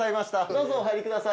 どうぞお入りください。